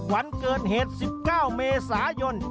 วันเกิดเหตุ๑๙เมษายน